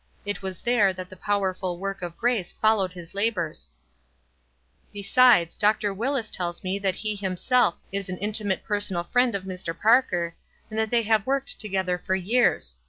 It was there that the powerful work of grace followed his labors." "Besides, Dr. Willis tells me that he himself is an intimate personal friend of Mr. Parker, and that they have worked together for years."